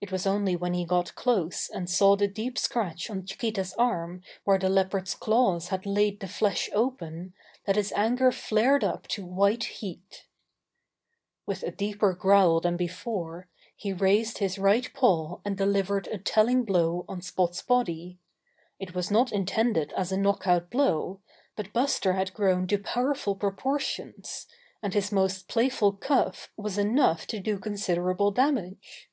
It was only when he got close and saw the deep scratch on Chi quita's arm where the Leopard's claws had laid the flesh open, that his anger flared up to white heat. 72 Buster the Bear With a deeper growl than before, he raised his right paw and delivered a telling blow on Spot's body. It was not intended as a knock out blow, but Buster had grown to powerful proportions, and his most playful cuff was enough to do considerable damage.